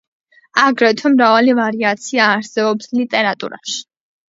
აგრეთვე მრავალი ვარიაცია არსებობს ლიტერატურაში.